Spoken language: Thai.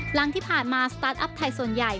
หลังที่ผ่านมาสตาร์ทอัพไทยส่วนใหญ่